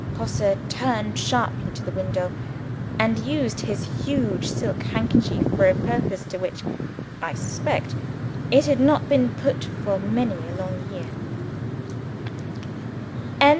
Grosse turned sharply to the window, and used his huge silk handkerchief for a purpose to which (I suspect) it had not been put for many a long year past.